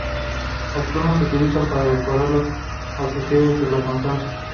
Las plumas se utilizan para decorar los accesorios de los danzantes.